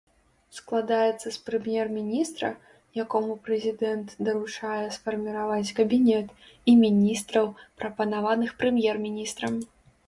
Складаецца з прэм'ер-міністра, якому прэзідэнт даручае сфарміраваць кабінет, і міністраў, прапанаваных прэм'ер-міністрам.